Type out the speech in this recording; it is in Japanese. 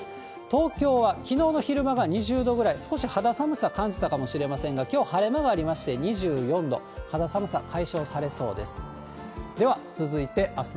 東京はきのうの昼間が２０度ぐらい、少し肌寒さ感じたかもしれませんが、きょう、晴れ間がありまして、２４度、肌寒さ解消されそうです。